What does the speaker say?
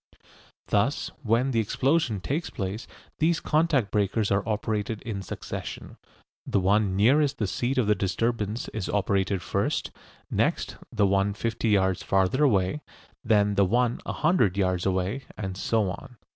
Thus when the explosion takes place these contact breakers are operated in succession. The one nearest the seat of the disturbance is operated first; next the one fifty yards farther away; then the one a hundred yards away, and so on.